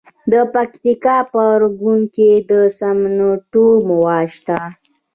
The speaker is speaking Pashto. د پکتیکا په ارګون کې د سمنټو مواد شته.